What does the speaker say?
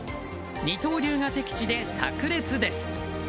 二刀流が敵地で炸裂です。